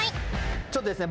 ちょっとですね